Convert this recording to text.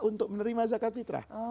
untuk menerima zakat fitrah